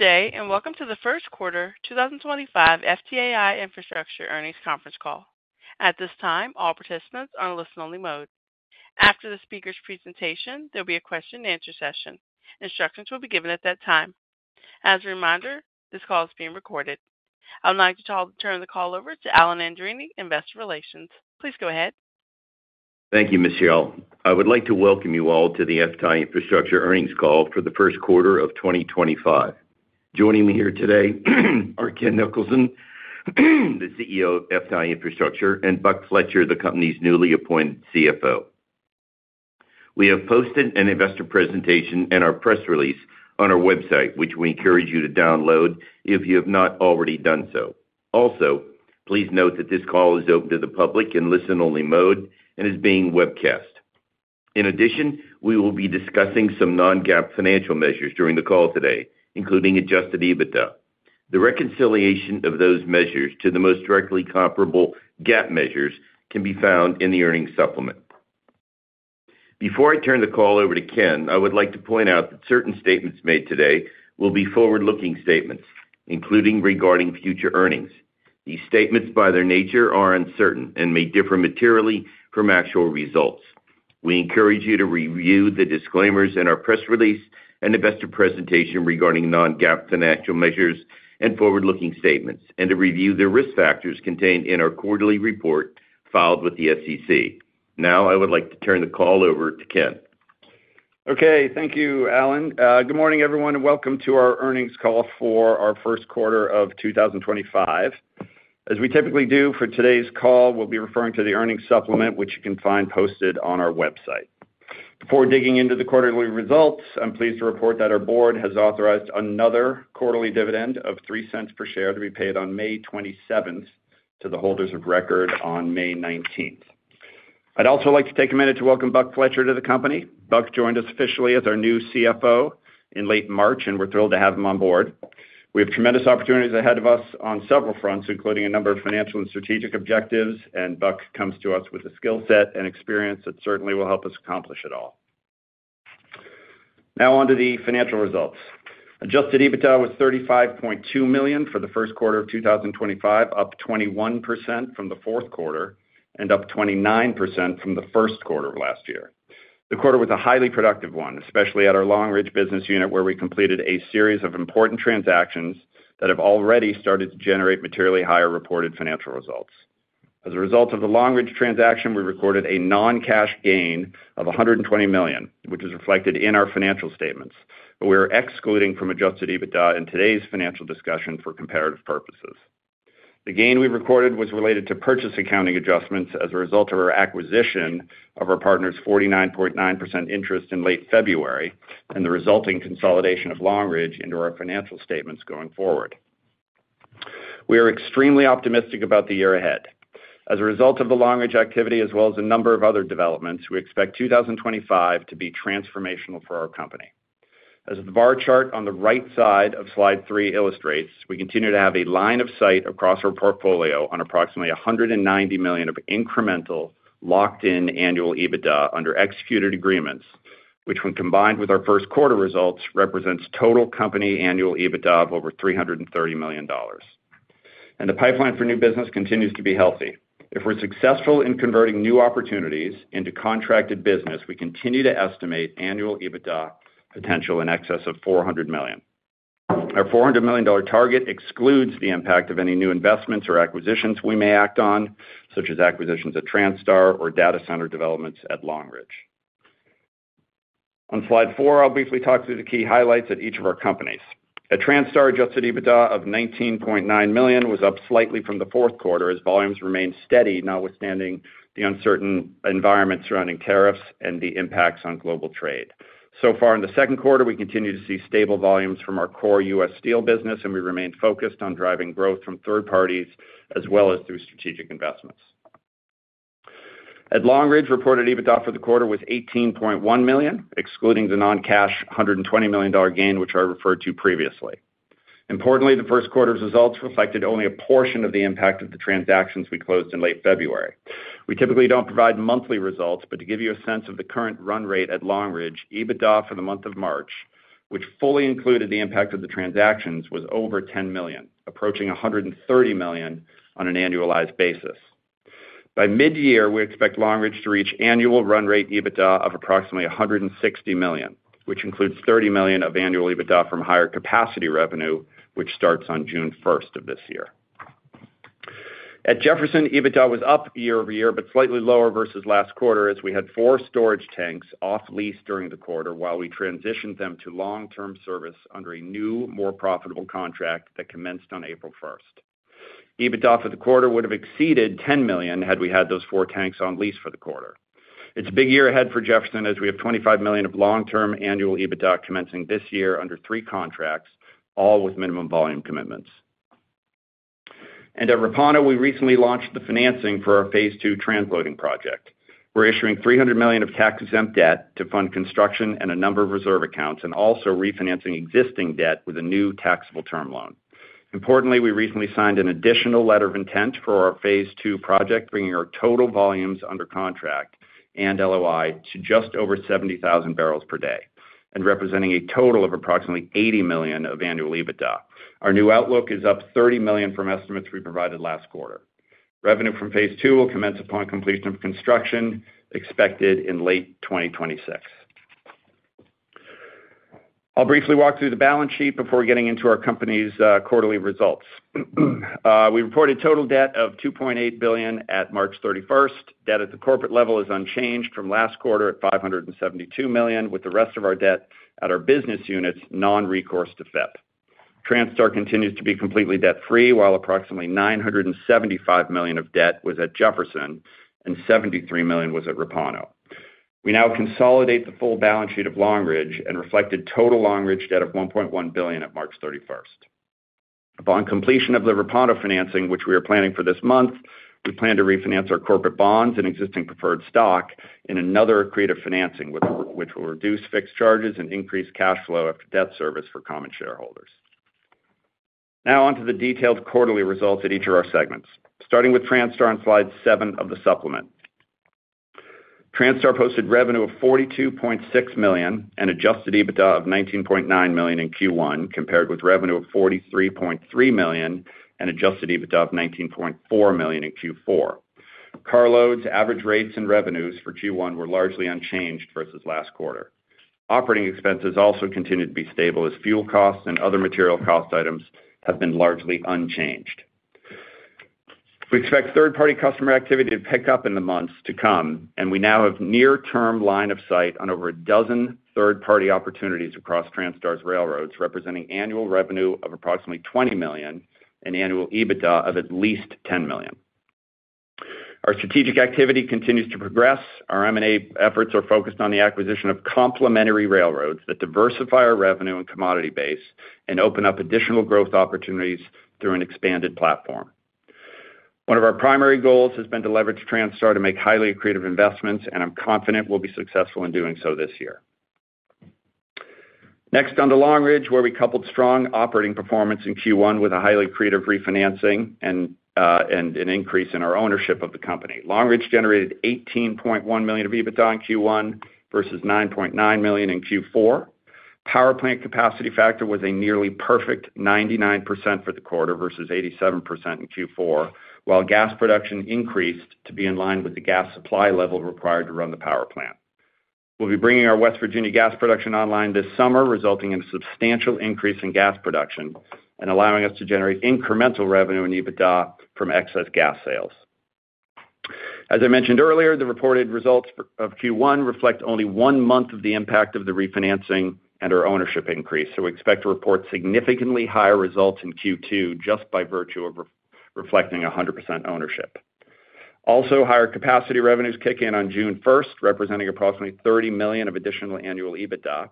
Good day, and welcome to the First Quarter 2025 FTAI Infrastructure Earnings Conference Call. At this time, all participants are in listen-only mode. After the speaker's presentation, there will be a question-and-answer session. Instructions will be given at that time. As a reminder, this call is being recorded. I would like to turn the call over to Alan Andreini, Investor Relations. Please go ahead. Thank you, Michelle. I would like to welcome you all to the FTAI Infrastructure Earnings Call for the first quarter of 2025. Joining me here today are Ken Nicholson, the CEO of FTAI Infrastructure, and Buck Fletcher, the company's newly appointed CFO. We have posted an investor presentation and our press release on our website, which we encourage you to download if you have not already done so. Also, please note that this call is open to the public in listen-only mode and is being webcast. In addition, we will be discussing some non-GAAP financial measures during the call today, including adjusted EBITDA. The reconciliation of those measures to the most directly comparable GAAP measures can be found in the earnings supplement. Before I turn the call over to Ken, I would like to point out that certain statements made today will be forward-looking statements, including regarding future earnings. These statements, by their nature, are uncertain and may differ materially from actual results. We encourage you to review the disclaimers in our press release and investor presentation regarding non-GAAP financial measures and forward-looking statements, and to review the risk factors contained in our quarterly report filed with the SEC. Now, I would like to turn the call over to Ken. Okay. Thank you, Alan. Good morning, everyone, and welcome to our earnings call for our first quarter of 2025. As we typically do for today's call, we'll be referring to the earnings supplement, which you can find posted on our website. Before digging into the quarterly results, I'm pleased to report that our board has authorized another quarterly dividend of $0.03 per share to be paid on May 27th to the holders of record on May 19th. I'd also like to take a minute to welcome Buck Fletcher to the company. Buck joined us officially as our new CFO in late March, and we're thrilled to have him on board. We have tremendous opportunities ahead of us on several fronts, including a number of financial and strategic objectives, and Buck comes to us with a skill set and experience that certainly will help us accomplish it all. Now, on to the financial results. Adjusted EBITDA was $35.2 million for the first quarter of 2025, up 21% from the fourth quarter and up 29% from the first quarter of last year. The quarter was a highly productive one, especially at our Long Ridge business unit, where we completed a series of important transactions that have already started to generate materially higher reported financial results. As a result of the Long Ridge transaction, we recorded a non-cash gain of $120 million, which is reflected in our financial statements, but we are excluding from adjusted EBITDA in today's financial discussion for comparative purposes. The gain we recorded was related to purchase accounting adjustments as a result of our acquisition of our partner's 49.9% interest in late February and the resulting consolidation of Long Ridge into our financial statements going forward. We are extremely optimistic about the year ahead. As a result of the Long Ridge activity, as well as a number of other developments, we expect 2025 to be transformational for our company. As the bar chart on the right side of slide three illustrates, we continue to have a line of sight across our portfolio on approximately $190 million of incremental locked-in annual EBITDA under executed agreements, which, when combined with our first quarter results, represents total company annual EBITDA of over $330 million. The pipeline for new business continues to be healthy. If we're successful in converting new opportunities into contracted business, we continue to estimate annual EBITDA potential in excess of $400 million. Our $400 million target excludes the impact of any new investments or acquisitions we may act on, such as acquisitions at Transtar or data center developments at Long Ridge. On slide four, I'll briefly talk through the key highlights at each of our companies. At Transtar, adjusted EBITDA of $19.9 million was up slightly from the fourth quarter as volumes remained steady, notwithstanding the uncertain environment surrounding tariffs and the impacts on global trade. So far, in the second quarter, we continue to see stable volumes from our core US Steel business, and we remain focused on driving growth from third parties as well as through strategic investments. At Long Ridge, reported EBITDA for the quarter was $18.1 million, excluding the non-cash $120 million gain, which I referred to previously. Importantly, the first quarter's results reflected only a portion of the impact of the transactions we closed in late February. We typically do not provide monthly results, but to give you a sense of the current run rate at Long Ridge, EBITDA for the month of March, which fully included the impact of the transactions, was over $10 million, approaching $130 million on an annualized basis. By mid-year, we expect Long Ridge to reach annual run rate EBITDA of approximately $160 million, which includes $30 million of annual EBITDA from higher capacity revenue, which starts on June 1st of this year. At Jefferson, EBITDA was up year over year, but slightly lower versus last quarter as we had four storage tanks off-lease during the quarter while we transitioned them to long-term service under a new, more profitable contract that commenced on April 1st. EBITDA for the quarter would have exceeded $10 million had we had those four tanks on-lease for the quarter. It's a big year ahead for Jefferson as we have $25 million of long-term annual EBITDA commencing this year under three contracts, all with minimum volume commitments. At Repauno, we recently launched the financing for our phase two transloading project. We're issuing $300 million of tax-exempt debt to fund construction and a number of reserve accounts and also refinancing existing debt with a new taxable term loan. Importantly, we recently signed an additional letter of intent for our phase two project, bringing our total volumes under contract and LOI to just over 70,000 barrels per day and representing a total of approximately $80 million of annual EBITDA. Our new outlook is up $30 million from estimates we provided last quarter. Revenue from phase two will commence upon completion of construction, expected in late 2026. I'll briefly walk through the balance sheet before getting into our company's quarterly results. We reported total debt of $2.8 billion at March 31st. Debt at the corporate level is unchanged from last quarter at $572 million, with the rest of our debt at our business units non-recourse to FIP. Transtar continues to be completely debt-free, while approximately $975 million of debt was at Jefferson and $73 million was at Repauno. We now consolidate the full balance sheet of Long Ridge and reflect a total Long Ridge debt of $1.1 billion at March 31st. Upon completion of the Repauno financing, which we are planning for this month, we plan to refinance our corporate bonds and existing preferred stock in another creative financing, which will reduce fixed charges and increase cash flow after debt service for common shareholders. Now, on to the detailed quarterly results at each of our segments, starting with Transtar on slide seven of the supplement. Transtar posted revenue of $42.6 million and adjusted EBITDA of $19.9 million in Q1, compared with revenue of $43.3 million and adjusted EBITDA of $19.4 million in Q4. Car loads, average rates, and revenues for Q1 were largely unchanged versus last quarter. Operating expenses also continue to be stable as fuel costs and other material cost items have been largely unchanged. We expect third-party customer activity to pick up in the months to come, and we now have near-term line of sight on over a dozen third-party opportunities across Transtar's railroads, representing annual revenue of approximately $20 million and annual EBITDA of at least $10 million. Our strategic activity continues to progress. Our M&A efforts are focused on the acquisition of complementary railroads that diversify our revenue and commodity base and open up additional growth opportunities through an expanded platform. One of our primary goals has been to leverage Transtar to make highly accretive investments, and I'm confident we'll be successful in doing so this year. Next, on to Long Ridge, where we coupled strong operating performance in Q1 with a highly accretive refinancing and an increase in our ownership of the company. Long Ridge generated $18.1 million of EBITDA in Q1 versus $9.9 million in Q4. Power plant capacity factor was a nearly perfect 99% for the quarter versus 87% in Q4, while gas production increased to be in line with the gas supply level required to run the power plant. We'll be bringing our West Virginia gas production online this summer, resulting in a substantial increase in gas production and allowing us to generate incremental revenue in EBITDA from excess gas sales. As I mentioned earlier, the reported results of Q1 reflect only one month of the impact of the refinancing and our ownership increase, so we expect to report significantly higher results in Q2 just by virtue of reflecting 100% ownership. Also, higher capacity revenues kick in on June 1st, representing approximately $30 million of additional annual EBITDA.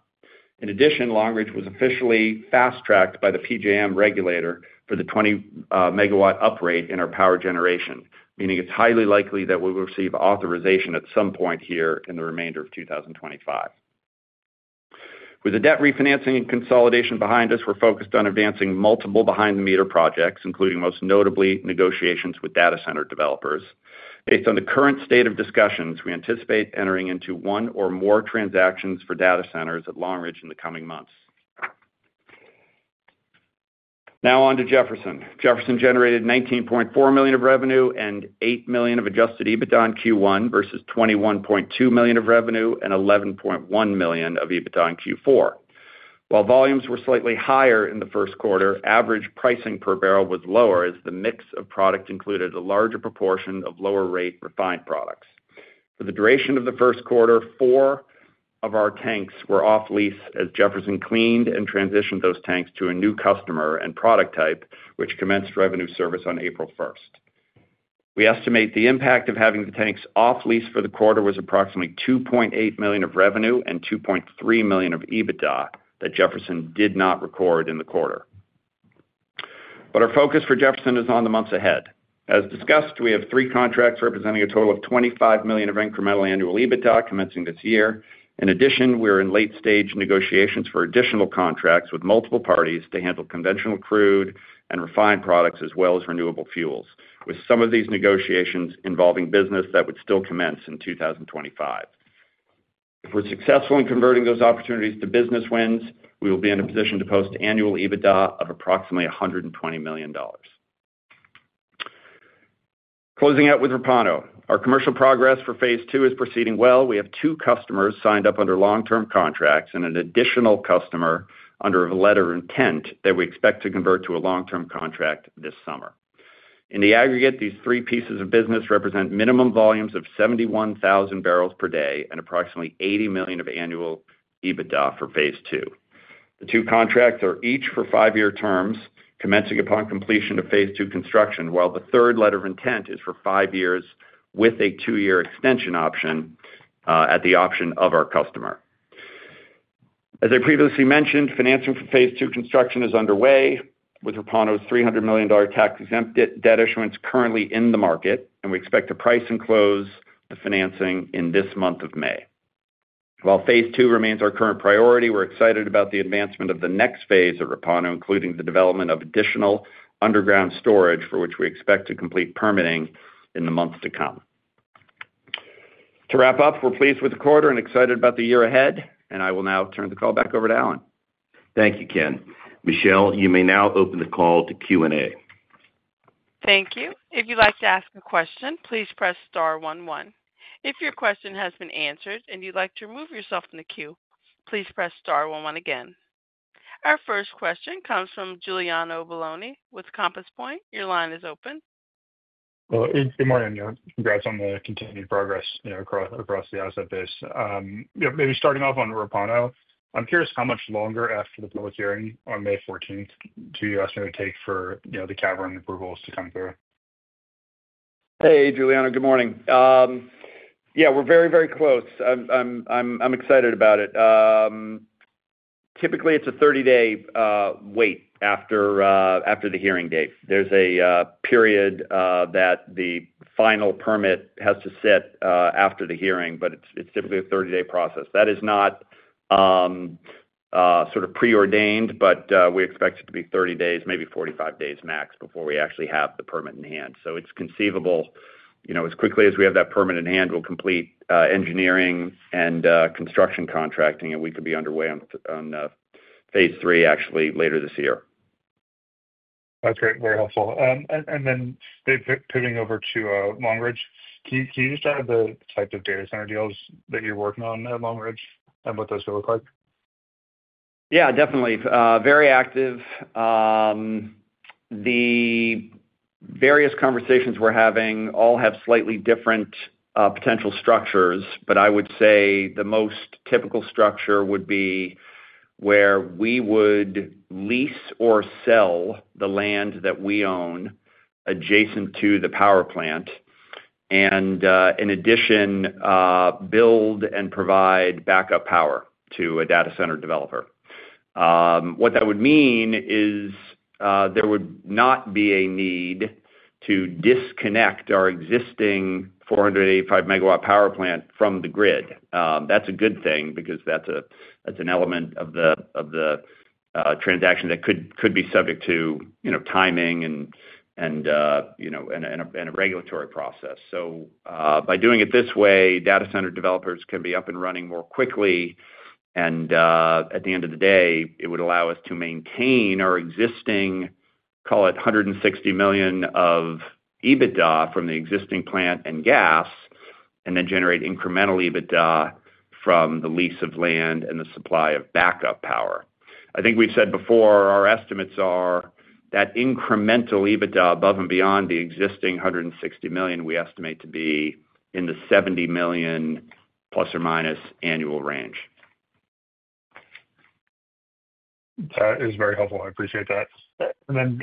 In addition, Long Ridge was officially fast-tracked by the PJM regulator for the 20 MW uprate in our power generation, meaning it's highly likely that we will receive authorization at some point here in the remainder of 2025. With the debt refinancing and consolidation behind us, we're focused on advancing multiple behind-the-meter projects, including most notably negotiations with data center developers. Based on the current state of discussions, we anticipate entering into one or more transactions for data centers at Long Ridge in the coming months. Now, on to Jefferson. Jefferson generated $19.4 million of revenue and $8 million of adjusted EBITDA in Q1 versus $21.2 million of revenue and $11.1 million of EBITDA in Q4. While volumes were slightly higher in the first quarter, average pricing per barrel was lower as the mix of product included a larger proportion of lower-rate refined products. For the duration of the first quarter, four of our tanks were off-lease as Jefferson cleaned and transitioned those tanks to a new customer and product type, which commenced revenue service on April 1st. We estimate the impact of having the tanks off-lease for the quarter was approximately $2.8 million of revenue and $2.3 million of EBITDA that Jefferson did not record in the quarter. Our focus for Jefferson is on the months ahead. As discussed, we have three contracts representing a total of $25 million of incremental annual EBITDA commencing this year. In addition, we are in late-stage negotiations for additional contracts with multiple parties to handle conventional crude and refined products as well as renewable fuels, with some of these negotiations involving business that would still commence in 2025. If we're successful in converting those opportunities to business wins, we will be in a position to post annual EBITDA of approximately $120 million. Closing out with Repauno, our commercial progress for phase two is proceeding well. We have two customers signed up under long-term contracts and an additional customer under a letter of intent that we expect to convert to a long-term contract this summer. In the aggregate, these three pieces of business represent minimum volumes of 71,000 per day and approximately $80 million of annual EBITDA for phase two. The two contracts are each for five-year terms commencing upon completion of phase two construction, while the third letter of intent is for five years with a two-year extension option at the option of our customer. As I previously mentioned, financing for phase two construction is underway with Repauno's $300 million tax-exempt debt issuance currently in the market, and we expect to price and close the financing in this month of May. While phase two remains our current priority, we're excited about the advancement of the next phase of Repauno, including the development of additional underground storage, for which we expect to complete permitting in the months to come. To wrap up, we're pleased with the quarter and excited about the year ahead, and I will now turn the call back over to Alan. Thank you, Ken. Michelle, you may now open the call to Q&A. Thank you. If you'd like to ask a question, please press star one one. If your question has been answered and you'd like to remove yourself from the queue, please press star one one again. Our first question comes from Giuliano Bologna with Compass Point. Your line is open. Good morning, Alan. Congrats on the continued progress across the asset base. Maybe starting off on Repauno, I'm curious how much longer after the public hearing on May 14th do you estimate it will take for the cavern approvals to come through? Hey, Giuliano. Good morning. Yeah, we're very, very close. I'm excited about it. Typically, it's a 30-day wait after the hearing date. There's a period that the final permit has to sit after the hearing, but it's typically a 30-day process. That is not sort of preordained, but we expect it to be 30 days, maybe 45 days max, before we actually have the permit in hand. It is conceivable as quickly as we have that permit in hand, we'll complete engineering and construction contracting, and we could be underway on phase three, actually, later this year. That's great. Very helpful. Then pivoting over to Long Ridge, can you describe the type of data center deals that you're working on at Long Ridge and what those look like? Yeah, definitely. Very active. The various conversations we're having all have slightly different potential structures, but I would say the most typical structure would be where we would lease or sell the land that we own adjacent to the power plant and, in addition, build and provide backup power to a data center developer. What that would mean is there would not be a need to disconnect our existing 485 MW power plant from the grid. That's a good thing because that's an element of the transaction that could be subject to timing and a regulatory process. By doing it this way, data center developers can be up and running more quickly, and at the end of the day, it would allow us to maintain our existing, call it $160 million of EBITDA from the existing plant and gas, and then generate incremental EBITDA from the lease of land and the supply of backup power. I think we've said before, our estimates are that incremental EBITDA above and beyond the existing $160 million, we estimate to be in the $70± million annual range. That is very helpful. I appreciate that. Then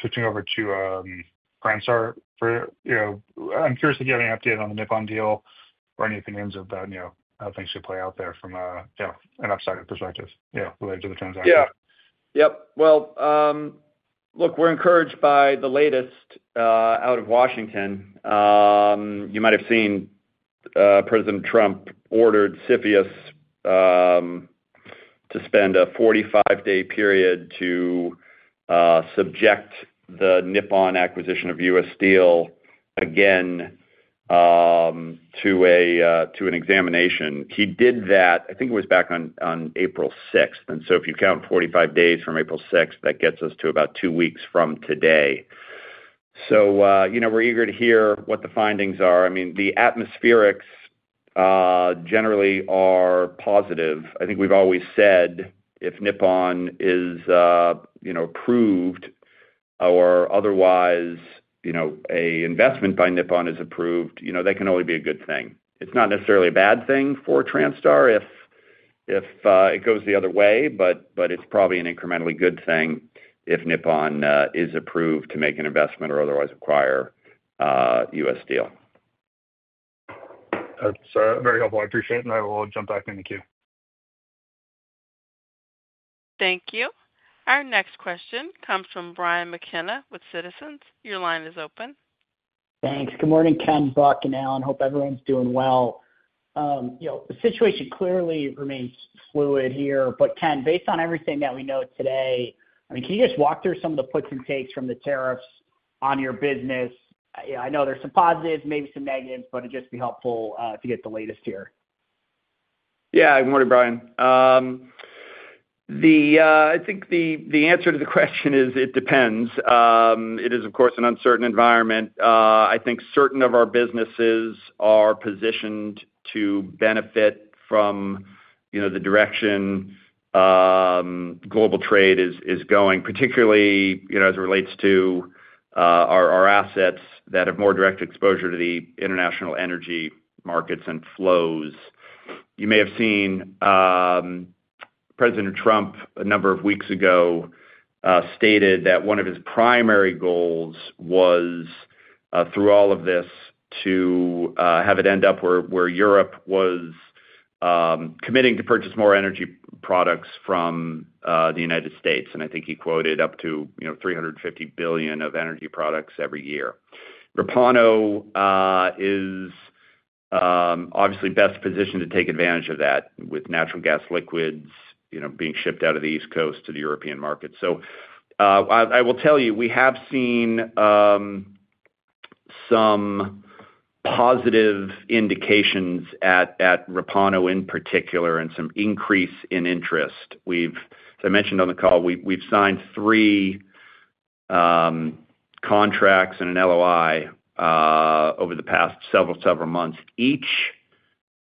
switching over to Transtar, I'm curious if you have any update on the Nippon deal or any opinions of how things could play out there from an upside perspective related to the transaction. Yeah. Yep. Look, we're encouraged by the latest out of Washington. You might have seen President Trump ordered CFIUS to spend a 45-day period to subject the Nippon acquisition of US Steel again to an examination. He did that, I think it was back on April 6th. If you count 45 days from April 6th, that gets us to about two weeks from today. We're eager to hear what the findings are. I mean, the atmospherics generally are positive. I think we've always said if Nippon is approved or otherwise an investment by Nippon is approved, that can only be a good thing. It's not necessarily a bad thing for Transtar if it goes the other way, but it's probably an incrementally good thing if Nippon is approved to make an investment or otherwise acquire US Steel. That's very helpful. I appreciate it, and I will jump back in the queue. Thank you. Our next question comes from Brian McKenna with Citizens. Your line is open. Thanks. Good morning, Ken, Buck, and Alan. Hope everyone's doing well. The situation clearly remains fluid here. Ken, based on everything that we know today, I mean, can you just walk through some of the puts and takes from the tariffs on your business? I know there's some positives, maybe some negatives, but it'd just be helpful to get the latest here. Yeah. Good morning, Brian. I think the answer to the question is it depends. It is, of course, an uncertain environment. I think certain of our businesses are positioned to benefit from the direction global trade is going, particularly as it relates to our assets that have more direct exposure to the international energy markets and flows. You may have seen President Trump a number of weeks ago stated that one of his primary goals was, through all of this, to have it end up where Europe was committing to purchase more energy products from the United States. I think he quoted up to $350 billion of energy products every year. Repauno is obviously best positioned to take advantage of that with natural gas liquids being shipped out of the East Coast to the European market. I will tell you, we have seen some positive indications at Repauno in particular and some increase in interest. As I mentioned on the call, we've signed three contracts and an LOI over the past several months. Each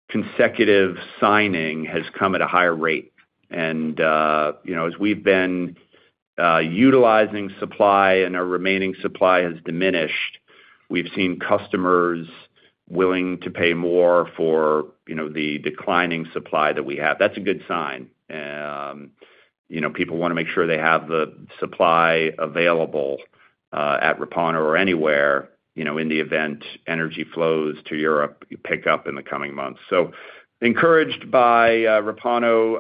consecutive signing has come at a higher rate. As we've been utilizing supply and our remaining supply has diminished, we've seen customers willing to pay more for the declining supply that we have. That's a good sign. People want to make sure they have the supply available at Repauno or anywhere in the event energy flows to Europe pick up in the coming months. Encouraged by Repauno.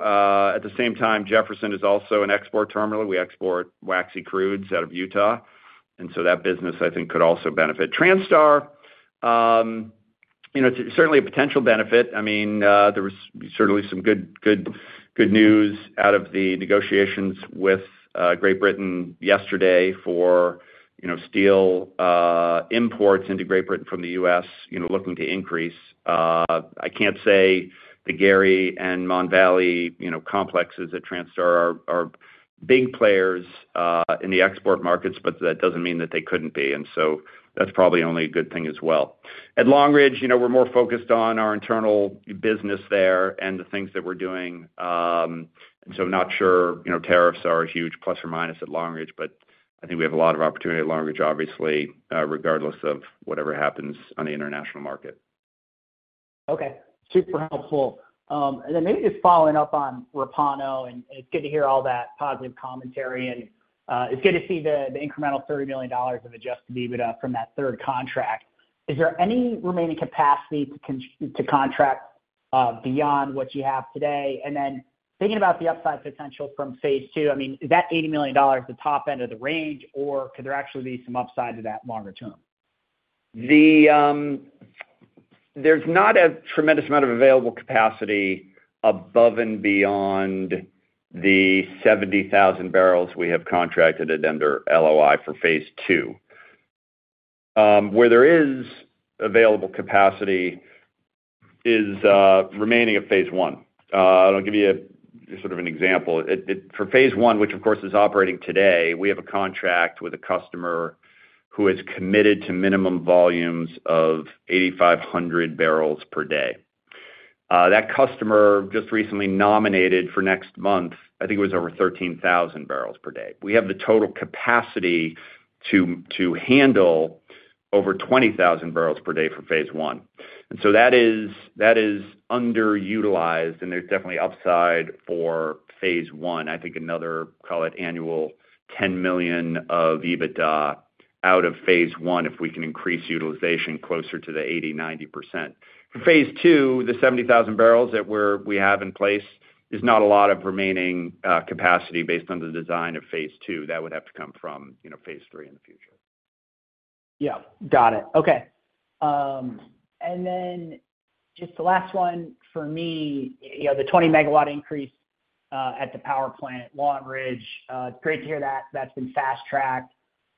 At the same time, Jefferson is also an export terminal. We export waxy crudes out of Utah. That business, I think, could also benefit. Transtar is certainly a potential benefit. I mean, there was certainly some good news out of the negotiations with Great Britain yesterday for steel imports into Great Britain from the U.S., looking to increase. I can't say the Gary and Mon Valley complexes at Transtar are big players in the export markets, but that doesn't mean that they couldn't be. That's probably only a good thing as well. At Long Ridge, we're more focused on our internal business there and the things that we're doing. I'm not sure tariffs are a huge plus or minus at Long Ridge, but I think we have a lot of opportunity at Long Ridge, obviously, regardless of whatever happens on the international market. Okay. Super helpful. Maybe just following up on Repauno, and it's good to hear all that positive commentary, and it's good to see the incremental $30 million of adjusted EBITDA from that third contract. Is there any remaining capacity to contract beyond what you have today? Thinking about the upside potential from phase two, I mean, is that $80 million the top end of the range, or could there actually be some upside to that longer term? There is not a tremendous amount of available capacity above and beyond the 70,000 barrels we have contracted at under LOI for phase two. Where there is available capacity is remaining of phase one. I'll give you sort of an example. For phase one, which, of course, is operating today, we have a contract with a customer who has committed to minimum volumes of 8,500 barrels per day. That customer just recently nominated for next month, I think it was over 13,000 barrels per day. We have the total capacity to handle over 20,000 barrels per day for phase one. That is underutilized, and there is definitely upside for phase one. I think another, call it annual $10 million of EBITDA out of phase one if we can increase utilization closer to the 80%-90%. For phase two, the 70,000 barrels that we have in place is not a lot of remaining capacity based on the design of phase two. That would have to come from phase three in the future. Yeah. Got it. Okay. And then just the last one for me, the 20 MW increase at the power plant at Long Ridge, it's great to hear that that's been fast-tracked.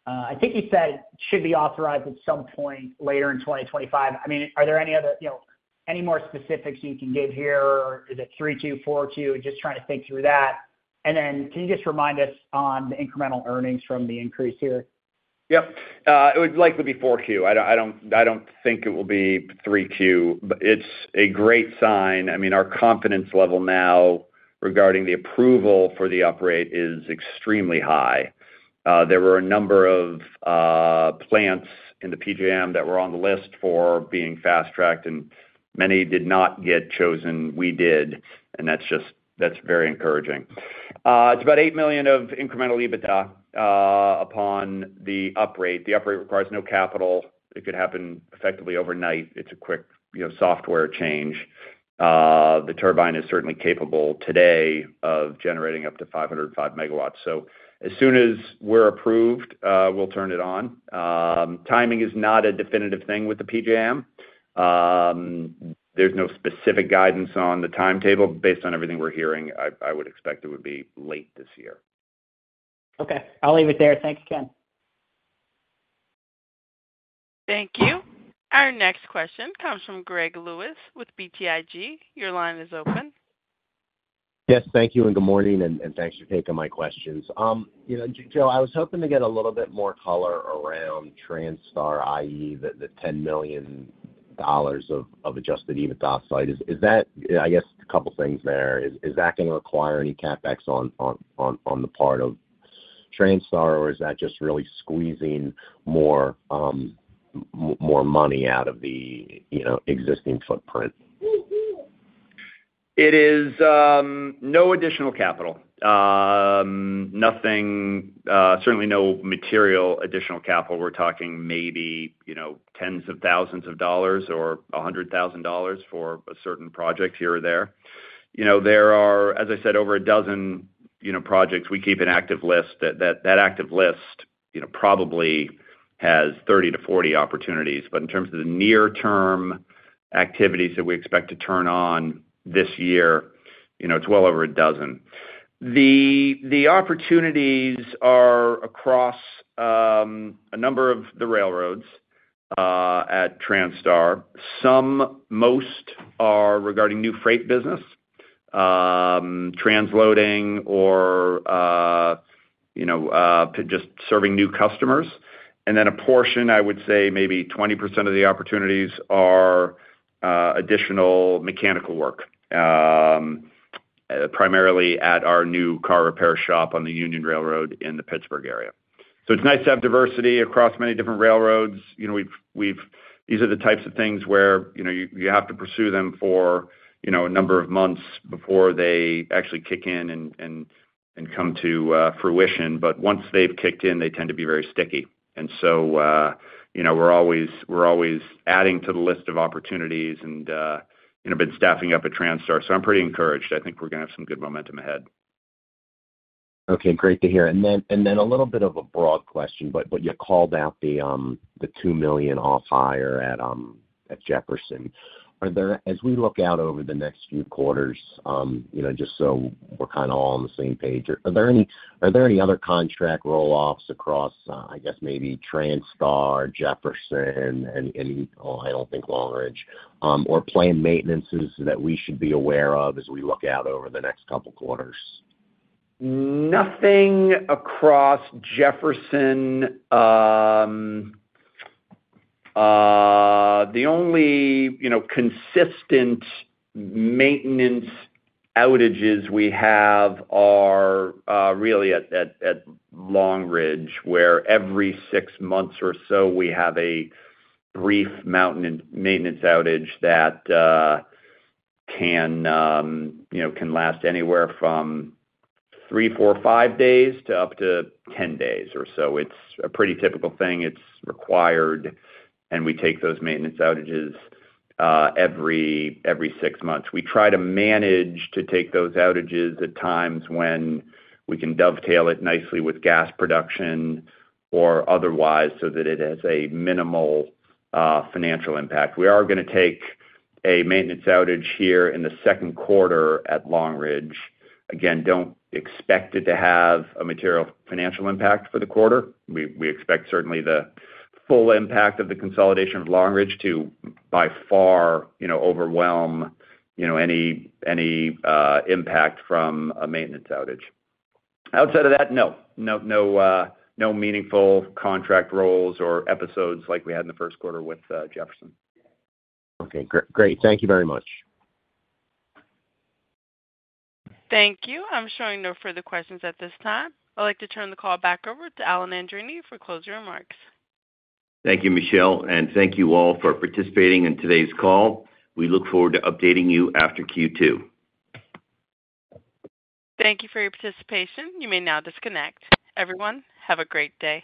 I think you said it should be authorized at some point later in 2025. I mean, are there any more specifics you can give here, or is it 3Q, 4Q? Just trying to think through that. And then can you just remind us on the incremental earnings from the increase here? Yep. It would likely be 4Q. I don't think it will be 3Q, but it's a great sign. I mean, our confidence level now regarding the approval for the uprate is extremely high. There were a number of plants in the PJM that were on the list for being fast-tracked, and many did not get chosen. We did, and that's very encouraging. It's about $8 million of incremental EBITDA upon the uprate. The uprate requires no capital. It could happen effectively overnight. It's a quick software change. The turbine is certainly capable today of generating up to 505 MW. As soon as we're approved, we'll turn it on. Timing is not a definitive thing with the PJM. There's no specific guidance on the timetable. Based on everything we're hearing, I would expect it would be late this year. Okay. I'll leave it there. Thanks, Ken. Thank you. Our next question comes from Greg Lewis with BTIG. Your line is open. Yes. Thank you, and good morning, and thanks for taking my questions. Joe, I was hoping to get a little bit more color around Transtar IE, the $10 million of adjusted EBITDA site. I guess a couple of things there. Is that going to require any CapEx on the part of Transtar, or is that just really squeezing more money out of the existing footprint? It is no additional capital. Certainly no material additional capital. We're talking maybe tens of thousands of dollars or $100,000 for a certain project here or there. There are, as I said, over a dozen projects. We keep an active list. That active list probably has 30-40 opportunities. But in terms of the near-term activities that we expect to turn on this year, it's well over a dozen. The opportunities are across a number of the railroads at Transtar. Most are regarding new freight business, transloading, or just serving new customers. A portion, I would say maybe 20% of the opportunities are additional mechanical work, primarily at our new car repair shop on the Union Railroad in the Pittsburgh area. It is nice to have diversity across many different railroads. These are the types of things where you have to pursue them for a number of months before they actually kick in and come to fruition. Once they have kicked in, they tend to be very sticky. We are always adding to the list of opportunities and have been staffing up at Transtar. I am pretty encouraged. I think we are going to have some good momentum ahead. Okay. Great to hear. A little bit of a broad question, but you called out the $2 million off hire at Jefferson. As we look out over the next few quarters, just so we're kind of all on the same page, are there any other contract rollouts across, I guess, maybe Transtar, Jefferson, and I don't think Long Ridge, or planned maintenances that we should be aware of as we look out over the next couple of quarters? Nothing across Jefferson. The only consistent maintenance outages we have are really at Long Ridge, where every six months or so we have a brief maintenance outage that can last anywhere from three, four, five days to up to 10 days or so. It's a pretty typical thing. It's required, and we take those maintenance outages every six months. We try to manage to take those outages at times when we can dovetail it nicely with gas production or otherwise so that it has a minimal financial impact. We are going to take a maintenance outage here in the second quarter at Long Ridge. Again, do not expect it to have a material financial impact for the quarter. We expect certainly the full impact of the consolidation of Long Ridge to by far overwhelm any impact from a maintenance outage. Outside of that, no. No meaningful contract rolls or episodes like we had in the first quarter with Jefferson. Okay. Great. Thank you very much. Thank you. I am showing no further questions at this time. I would like to turn the call back over to Alan Andreini for closing remarks. Thank you, Michelle, and thank you all for participating in today's call. We look forward to updating you after Q2. Thank you for your participation. You may now disconnect. Everyone, have a great day.